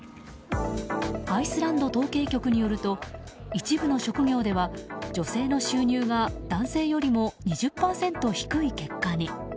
アイスランド統計局によると一部の職業では女性の収入が男性よりも２０％低い結果に。